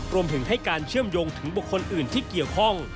รวมถึงให้การเชื่อมโยงถึงบุคคลอื่นที่เกี่ยวข้อง